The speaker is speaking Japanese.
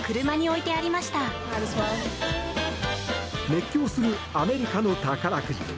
熱狂するアメリカの宝くじ。